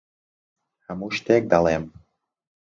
هەموو شتێک دەڵێم.